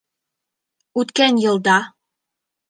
Үткән йылда